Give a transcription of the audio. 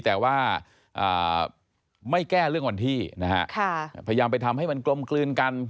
แต่ว่าไม่แก้เรื่องวันที่นะฮะพยายามไปทำให้มันกลมกลืนกัน